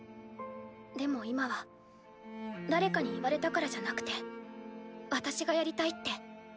でも今は誰かに言われたからじゃなくて私がやりたいって。